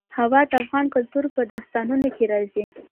هوا د افغان کلتور په داستانونو کې راځي.